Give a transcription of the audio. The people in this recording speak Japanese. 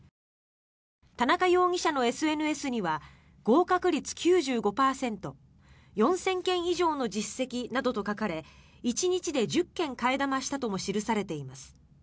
田中容疑者のＳＮＳには合格率９５％４０００件以上の実績などと書かれ１日で１０件替え玉したとも記されています。